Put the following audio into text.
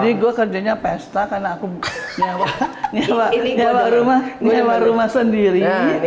ini pesta karena aku nyewa rumah sendiri